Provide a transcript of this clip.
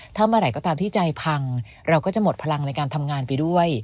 ถ้าเมื่อไหร่ก็ตามที่ใจพังเราก็จะหมดพลังในการทำงานไปด้วย